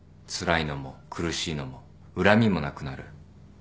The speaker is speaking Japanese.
つらいのも苦しいのも恨みもなくなる。